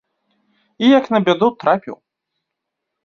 І як на бяду, трапіў.